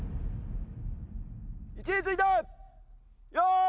位置について用意。